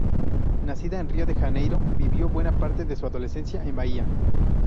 Nacida en Río de Janeiro, vivió buena parte de su adolescencia en Bahia.